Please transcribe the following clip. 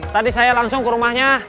tadi saya langsung ke rumahnya